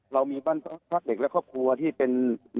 เรามีบ้านพักเด็กและครอบครัวที่เป็น